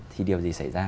thì điều gì xảy ra